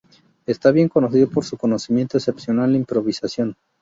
Es bien conocido por su conocimiento excepcional en improvisación.